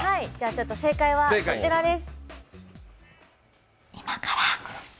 正解はこちらです。